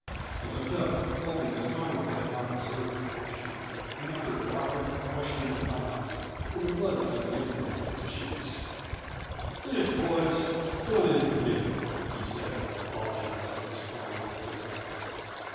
He looked up, hoping Miss Conroy had not observed the action; met her wide, questioning eyes, and the blood flew guiltily to his cheeks. "Thanks, boys not any for me," he said, and apologized to Miss Conroy with his eyes.